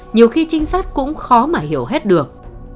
nhiều khi trinh sát cũng khó mà hiểu hết được